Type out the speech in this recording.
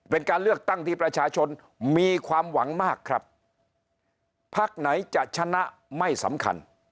เป็นการเลือกตั้งที่ประชาชนมีความหวังมากครับพักไหนจะชนะไม่สำคัญ